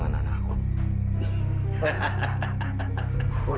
jangan khawatir taro